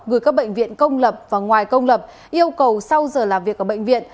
gửi các bệnh viện công lập và ngoài công lập yêu cầu sau giờ làm việc ở bệnh viện